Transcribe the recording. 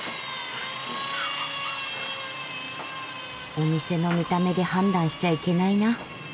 お店の見た目で判断しちゃいけないな。